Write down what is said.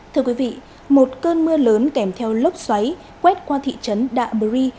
thưa quý vị một cơn mưa lớn kèm theo lốc xoáy quét qua thị trấn đạ brì